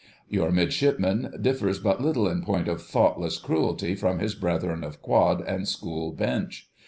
Your Midshipman differs but little in point of thoughtless cruelty from his brethren of "Quad" and school bench.